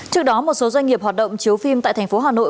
trước đó một số doanh nghiệp hoạt động chiếu phim tại tp hà nội